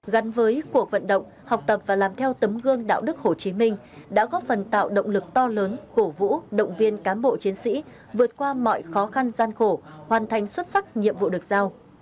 gắn với cuộc vận động học tập và làm theo tấm gương đạo đức hồ chí minh đã góp phần tạo động lực to lớn cổ vũ động viên cán bộ chiến sĩ vượt qua mọi khó khăn gian khổ hoàn thành xuất sắc nhiệm vụ được giao